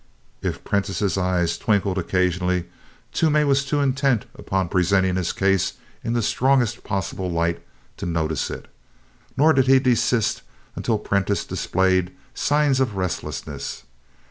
If Prentiss's eyes twinkled occasionally, Toomey was too intent upon presenting his case in the strongest possible light to notice it; nor did he desist until Prentiss displayed signs of restlessness.